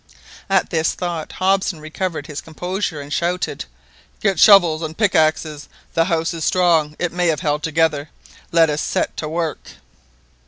At this thought Hobson recovered his composure and shouted— "Get shovels and pickaxes! The house is strong! it may have held together! Let us set to work!"